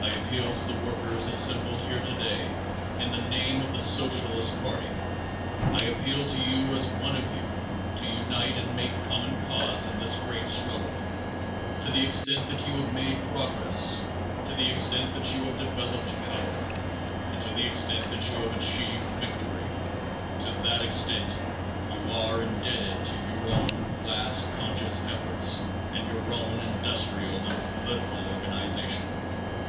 _ I appeal to the workers assembled here today in the name of the Socialist party. I appeal to you as one of you to unite and make common cause in this great struggle. To the extent that you have made progress, to the extent that you have developed power, and to the extent that you have achieved victory, to that extent you are indebted to your own class conscious efforts and your own industrial and political organization.